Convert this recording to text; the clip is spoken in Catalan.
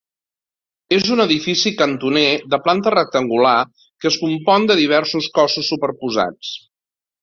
És un edifici cantoner de planta rectangular, que es compon de diversos cossos superposats.